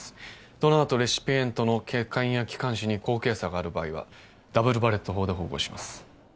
ドナーとレシピエントの血管や気管支に口径差がある場合はダブルバレット法で縫合します